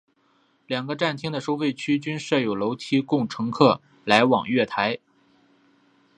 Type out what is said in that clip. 两个站厅的收费区均设有楼梯供乘客来往月台。